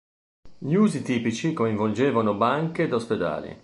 Gli usi tipici coinvolgevano banche ed ospedali.